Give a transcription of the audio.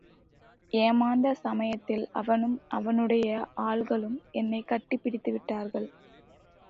ஏமாந்த சமயத்தில் அவனும் அவனுடைய ஆள்களும் என்னைக் கட்டிப் பிடித்துவிட்டார்கள்.